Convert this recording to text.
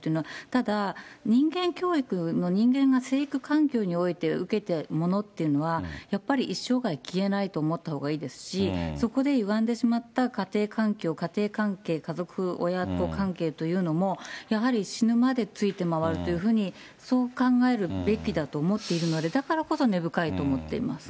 ただ人間教育の人間が成育環境において受けたものというのは、やっぱり一生涯消えないと思ったほうがいいですし、そこで歪んでしまった家庭環境、家庭関係、家族、親子関係というのも、やはり死ぬまでついて回るというふうにそう考えるべきだと思っているので、だからこそ、根深いと思っています。